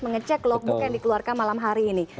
mengecek logbook yang dikeluarkan malam hari ini